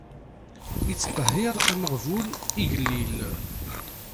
Ittqehhir ameɣbun, igellil.